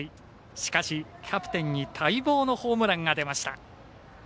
しかし、キャプテンに待望のホームランが出ました。